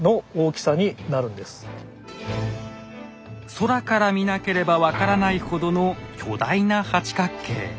空から見なければ分からないほどの巨大な八角形。